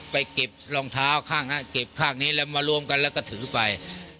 ไปเก็บรองเท้าข้างนั้นเก็บข้างนี้แล้วมารวมกันแล้วก็ถือไป